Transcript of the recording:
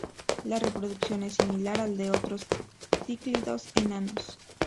La reproducción es similar a la de otros cíclidos enanos.